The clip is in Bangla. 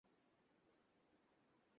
আমি বললাম, হাত তোল।